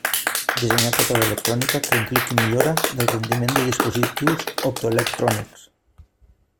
Dissenyar tota l'electrònica que impliqui millora del rendiment de dispositius optoelectrònics.